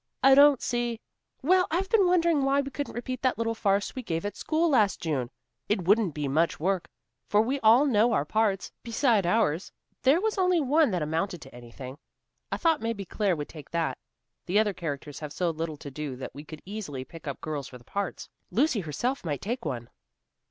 I don't see " "Well, I've been wondering why we couldn't repeat that little farce we gave at school last June. It wouldn't be much work, for we all know our parts. Beside ours, there was only one that amounted to anything. I thought maybe Claire would take that. The other characters have so little to do that we could easily pick up girls for the parts. Lucy herself might take one."